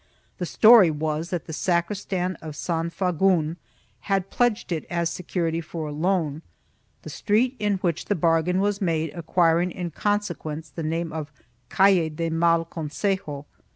The story was that the sacristan of San Fagun had pledged it as security for a loan — the street in which the bargain was made acquiring in consequence the name of Calle del Mai Consejo.